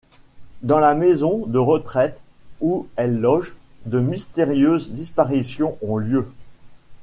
Dans la maison de retraite où elle loge, de mystérieuses disparitions ont lieu.